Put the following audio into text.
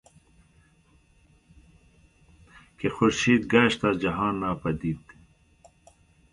که خورشید گشت از جهان ناپدید